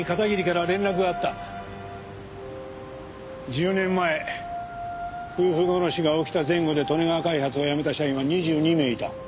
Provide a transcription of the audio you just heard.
１０年前夫婦殺しが起きた前後で利根川開発を辞めた社員は２２名いた。